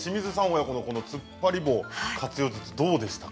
親子の、つっぱり棒活用術どうでしたか。